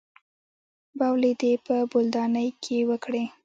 بولې دې په بولدانۍ کښې وکړې.